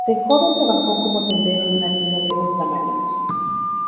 De joven trabajó como tendero en una tienda de ultramarinos.